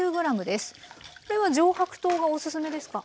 これは上白糖がおすすめですか？